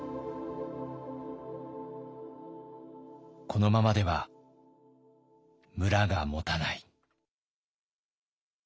このままでは村がもたない。